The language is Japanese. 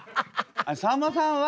さんまさんは。